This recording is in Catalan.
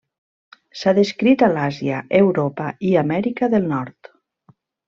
S'ha descrit a l'Àsia, Europa i Amèrica del Nord.